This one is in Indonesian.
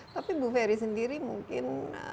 tapi bu ferry sendiri mungkin